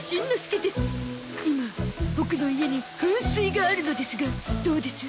今ボクの家に噴水があるのですがどうです？